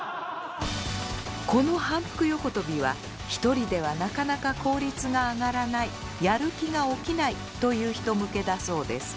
この反復横跳びは一人ではなかなか効率が上がらないやる気が起きないという人向けだそうです。